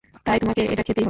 তাই, তোমাকে এটা খেতেই হবে।